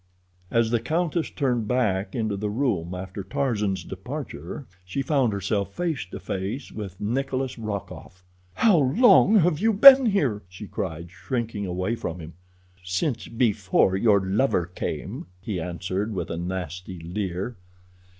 As the countess turned back into the room after Tarzan's departure, she found herself face to face with Nikolas Rokoff. "How long have you been here?" she cried, shrinking away from him. "Since before your lover came," he answered, with a nasty leer.